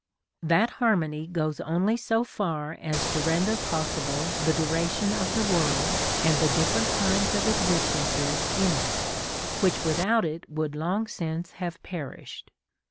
That harmony goes only so far as to render possible the duration of the world and the different kinds of existences in it, which without it would long since have perished.